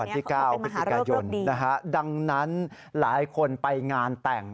เป็นมหาเริกที่๙พฤศจิกายนดังนั้นหลายคนไปงานแต่ง